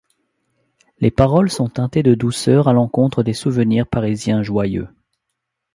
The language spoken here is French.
Les paroles sont teintées de douceur à l'encontre des souvenirs parisiens joyeux.